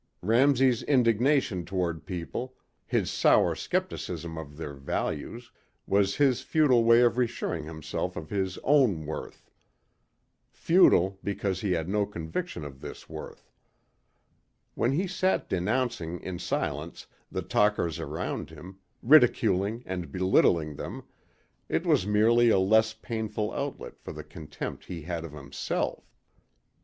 Ramsey's indignation toward people, his sour skepticism of their values, was his futile way of reassuring himself of his own worth. Futile, because he had no conviction of this worth. When he sat denouncing in silence the talkers around him, ridiculing and belittling them, it was merely a less painful outlet for the contempt he had of himself.